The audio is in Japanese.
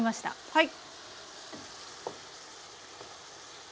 はい。